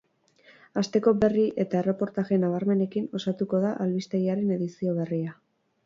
Asteko berri eta erreportaje nabarmenekin osatuko da albistegiaren edizio berria.